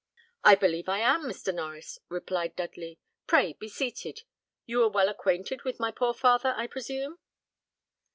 "I believe I am, Mr. Norries," replied Dudley, "pray be seated. You were well acquainted with my poor father, I presume."